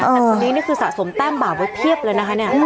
แต่คนนี้นี่คือสะสมแต้มบาปไว้เพียบเลยนะคะเนี่ย